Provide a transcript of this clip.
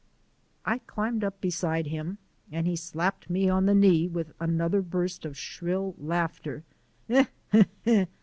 I climbed up beside him, and he slapped me on the knee with another burst of shrill laughter.